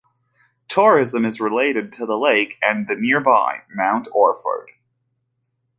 Tourism is related to the lake and the nearby Mount Orford.